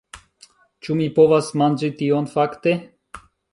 Ĉu mi povas manĝi tion, fakte?